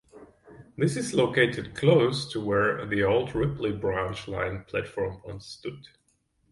This is located close to where the old Ripley branch line platform once stood.